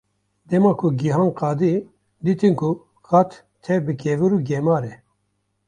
Dema ku gihan qadê, dîtin ku qad tev bi kevir û gemar e.